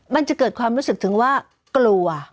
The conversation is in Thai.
มันจะเกิดความรู้สึกถึงว่ากลัว